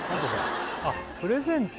あっプレゼント